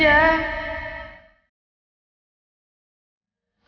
kamu adalah suami yang terbaik buat aku